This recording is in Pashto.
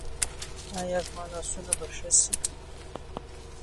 ایا زما لاسونه به ښه شي؟